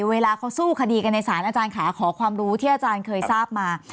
เวลาเขาสู้คดีกันในศาลอาจารย์ค่ะขอความรู้ที่อาจารย์เคยทราบมา